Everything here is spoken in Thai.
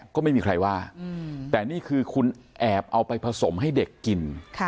ก็ไม่มีใครว่าแต่นี่คือคุณแอบเอาไปผสมให้เด็กกิน